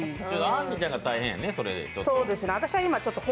あんりちゃんが大変やね、それやと。